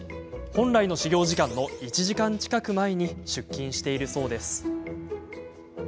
本来の始業時間の１時間近く前に出勤しているそうです。